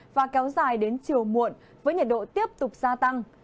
và kéo dài đến chiều muộn với nhiệt độ tiếp tục gia tăng